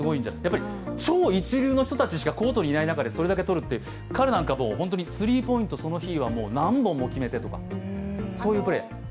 やっぱり超一流の人たちしかコートにいない中でそれだけとるって彼なんか、もう本当にスリーポイント何本も決めてとか、そういうプレー。